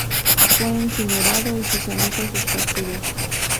Fue incinerado y sus cenizas esparcidas.